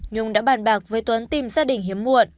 nhung đã bàn bạc với tuấn tìm gia đình hiếm muộn